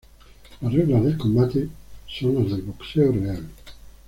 Las reglas del combate son las del boxeo real.